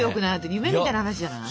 夢みたいな話じゃない？